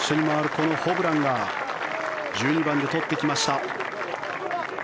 このホブランが１２番で取ってきました。